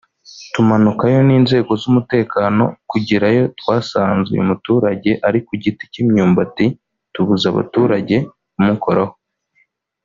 tumanukayo n’inzego z’umutekano kugerayo twasanze uyu muturage ari ku giti cy’imyumbati tubuza abaturage kumukoraho